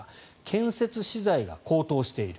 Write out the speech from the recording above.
建設資材が高騰している。